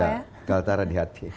satu kalitara di hati